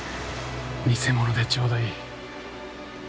偽物でちょうどいい。